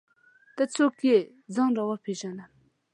ته څوک یې ځان راوپېژنه!